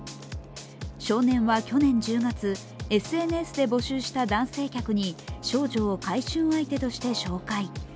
少年は去年１０月、ＳＮＳで募集した男性客に少女を買春相手として紹介。